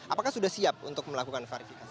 apakah sudah siap untuk melakukan verifikasi